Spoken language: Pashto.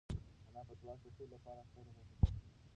انا په دعا کې د ټولو لپاره خیر وغوښت.